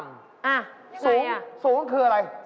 แกกำลังเลยอย่าสูงคืออะไรคะ